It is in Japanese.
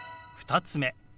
２つ目。